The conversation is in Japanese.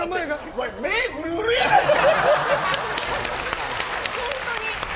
お前、目うるうるやないか。